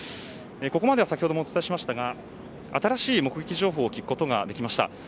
ここまでは先ほどもお伝えしましたが新しい目撃情報を聞くことができました。